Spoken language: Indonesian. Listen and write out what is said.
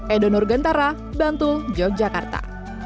edo nurgentara bantul yogyakarta